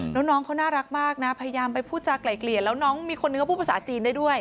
แล้วน้องเขาน่ารักมากนะพยายามไปพูดจากไล่เกลี่ยแล้วน้องมีคนหนึ่งก็พูดภาษาจีนได้ด้วย